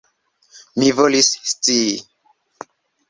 Mi volis scii!